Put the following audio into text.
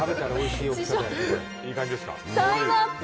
タイムアップ